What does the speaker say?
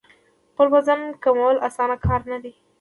خپل وزن کمول اسانه کار نه دی.